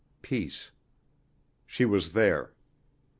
Peace. She was there.